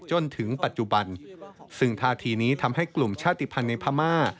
จนถึงปัจจุบันซึ่งท่าทีนี้ทำให้กลุ่มชาติภัณฑ์ในพม่า